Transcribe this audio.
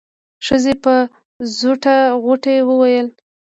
ښځې په زوټه غوټۍ وويل.